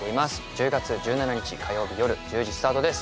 １０月１７日火曜日夜１０時スタートです